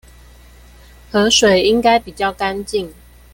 河水應該比較乾淨